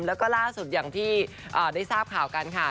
แล้วก็ล่าสุดอย่างที่ได้ทราบข่าวกันค่ะ